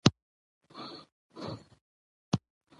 خپل قسمت په هیڅ صورت نه ګڼي جبر